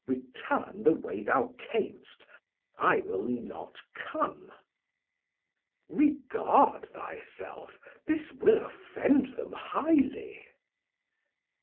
Return the way thou cam'st, I will not come. Off: Regard thy self, this will offend them highly.